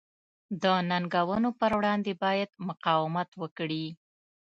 د ننګونو پر وړاندې باید مقاومت وکړي.